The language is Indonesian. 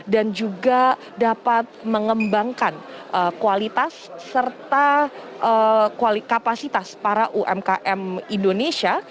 juga dapat mengembangkan kualitas serta kapasitas para umkm indonesia